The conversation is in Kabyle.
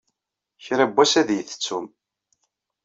Kra n wass ad iyi-tettum.